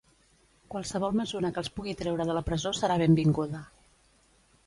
Qualsevol mesura que els pugui treure de la presó serà benvinguda.